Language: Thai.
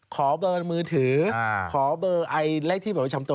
ขอเบอร์มือถือขอเบอร์ไอเลขที่เป็นประชาชน